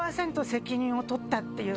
責任を取ったっていうね